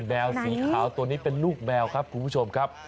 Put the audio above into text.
แมวสีขาวตัวนี้เป็นลูกแมวครับคุณผู้ชมครับ